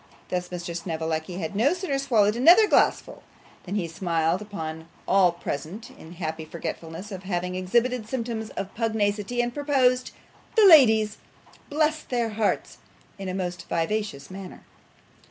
Thus Mr. Snevellicci had no sooner swallowed another glassful than he smiled upon all present in happy forgetfulness of having exhibited symptoms of pugnacity, and proposed 'The ladies! Bless their hearts!' in a most vivacious manner.